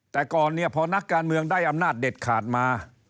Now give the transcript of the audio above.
แต่ก่อนเนี่ยพอนักการเมืองได้อำนาจเด็ดขาดมา